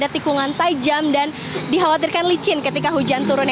tikungan tajam dan dikhawatirkan licin ketika hujan turun